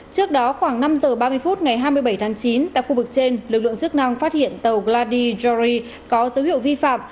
trước đó khoảng năm giờ ba mươi phút ngày hai mươi bảy tháng chín tại khu vực trên lực lượng chức năng phát hiện tàu gladi jorri có dấu hiệu vi phạm